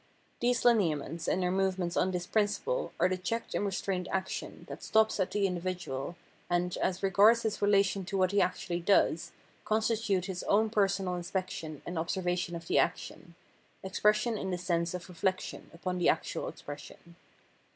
These lineaments and their movements on this principle are the checked and restrained action that stops at the individual and, as regards his relation to what he actually does, constitute his own personal inspection and observation of the action — expression in the sense of reflection upon the actual expression.